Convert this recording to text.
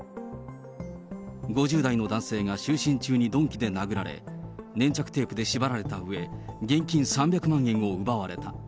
５０代の男性が就寝中に鈍器で殴られ、粘着テープで縛られたうえ、現金３００万円を奪われた。